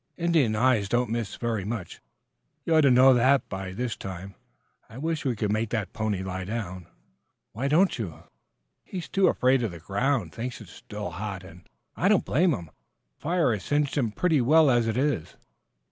Indian eyes don't miss very much. You ought to know that, by this time. I wish we could make that pony lie down." "Why don't you?" "He's too afraid of the ground thinks it's still hot, and I don't blame him. The fire has singed him pretty well as it is."